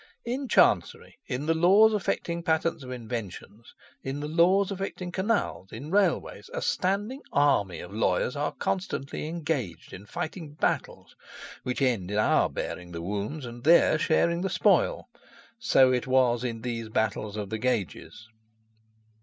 In chancery, in the laws affecting patents of inventions, in the law affecting canals, in railways, a standing army of lawyers are constantly engaged in fighting battles, which end in our bearing the wounds and their sharing the spoil. So it was in these battles of the gauges.